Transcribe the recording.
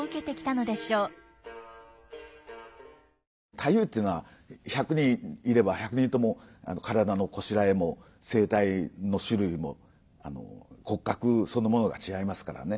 太夫っていうのは１００人いれば１００人とも体のこしらえも声帯の種類も骨格そのものが違いますからね。